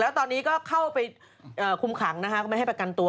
แล้วตอนนี้เข้าไปคุมขังเข้าไปให้ประกันตัว